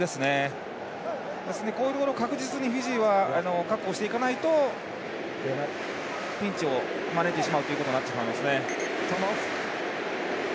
こういうところ、確実にフィジーは確保していかないとピンチを招いてしまうことになってしまいますね。